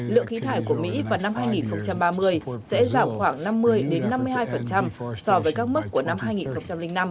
lượng khí thải của mỹ vào năm hai nghìn ba mươi sẽ giảm khoảng năm mươi năm mươi hai so với các mức của năm hai nghìn năm